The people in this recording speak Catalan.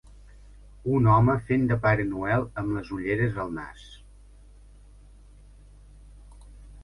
Un home fent de Pare Noel amb les ulleres al nas.